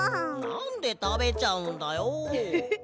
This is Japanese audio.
なんでたべちゃうんだよ。ハハハ。